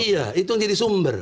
iya itu yang jadi sumber